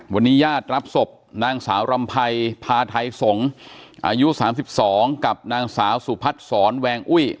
วันนี้ญาติรับศพนางสาวรำภัยพาไทยสงศ์อายุสามสิบสองกับนางสาวสุพัชศ์สอนแวงอุ้ย